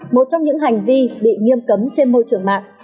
một trong những hành vi bị nghiêm cấm trên môi trường mạng